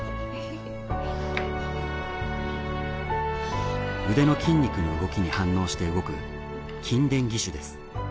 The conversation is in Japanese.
腕の筋肉の動きに反応して動く筋電義手です。